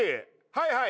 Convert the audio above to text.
はいはい。